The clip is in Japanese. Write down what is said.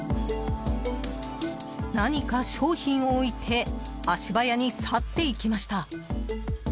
何か商品を置いて足早に去っていきました。